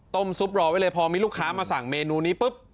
ซุปรอไว้เลยพอมีลูกค้ามาสั่งเมนูนี้ปุ๊บ